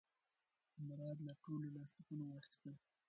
مراد له ټولو لاسلیکونه واخیستل.